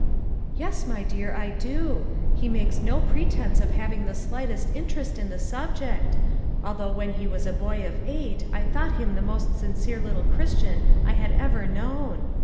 "Yes, my dear, I do; he makes no pretense of having the slightest interest in the subject; although when he was a hoy of eight I thought him the most sincere little Christian I had ever known.